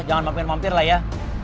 jangan mampir mampir lah ya